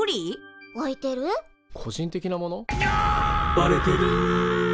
「バレてる」